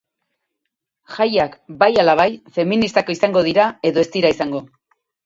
Jaiak, bai ala bai, feministak izango dira edo ez dira izango!